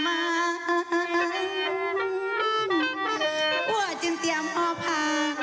อามค้างเนิ่งคิดถอนอะภีร์